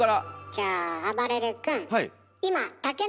じゃああばれる君。